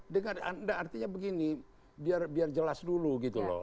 dengar artinya begini biar jelas dulu gitu loh